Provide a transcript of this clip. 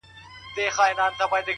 وخت د ژمنو ازموینه کوي,